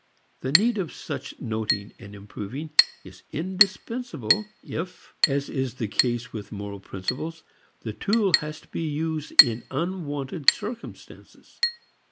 The need of such noting and improving is indispensable if, as is the case with moral principles, the tool has to be used in unwonted circumstances.